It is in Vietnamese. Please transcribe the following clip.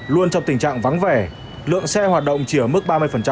luôn trong tình trạng vắng vẻ lượng xe hoạt động chỉ ở mức ba mươi